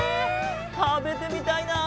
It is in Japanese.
たべてみたいな！